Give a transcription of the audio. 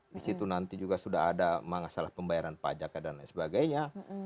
di situ nanti juga sudah ada masalah pembayaran pajak dan lain sebagainya